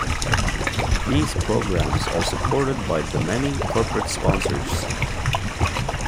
These programs are supported by the many corporate sponsors.